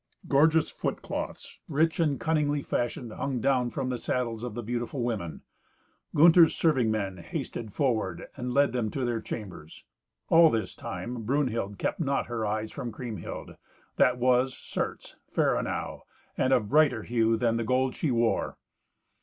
Gorgeous footcloths, rich and cunningly fashioned, hung down from the saddles of the beautiful women. Gunther's serving men hasted forward, and led them to their chambers. All this time Brunhild kept not her eyes from Kriemhild, that was, certes, fair enow, and of brighter hue than the gold she wore.